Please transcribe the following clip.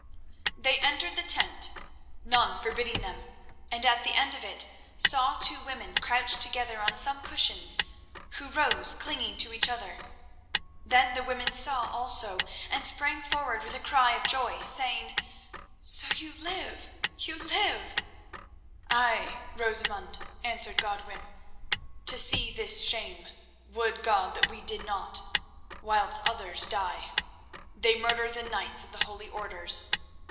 They entered the tent, none forbidding them, and at the end of it saw two women crouched together on some cushions, who rose, clinging to each other. Then the women saw also and sprang forward with a cry of joy, saying: "So you live—you live!" "Ay, Rosamund," answered Godwin, "to see this shame—would God that we did not—whilst others die. They murder the knights of the holy Orders.